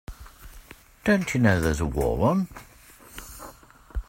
Don't you know there's a war on?